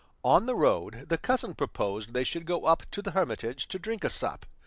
On the road the cousin proposed they should go up to the hermitage to drink a sup.